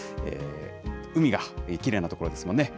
海がきれいな所ですもんね。